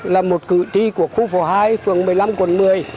là một cử tri của khu phố hai phường một mươi năm quận một mươi